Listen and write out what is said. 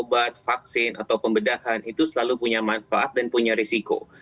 obat vaksin atau pembedahan itu selalu punya manfaat dan punya risiko